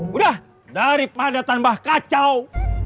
udah daripada tambah kacau